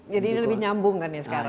jadi ini lebih nyambung kan ya sekarang